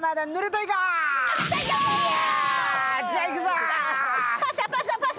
じゃあ行くぞ！